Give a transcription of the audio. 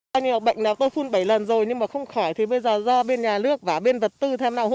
hai dống lúa này đã gây thiệt hại lớn cho nông dân các địa phương